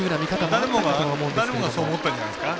誰もがそう思ったんじゃないですか。